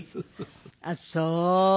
あっそう。